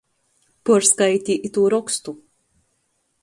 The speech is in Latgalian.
Puorskaiti itū rokstu!